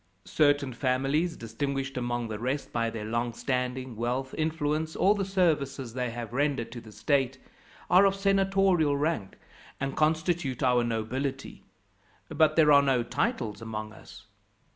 Certain families, distinguished among the rest by their long standing, wealth, influence, or the services they have rendered to the state, are of senatorial rank, and constitute our nobility; but there are no titles among us.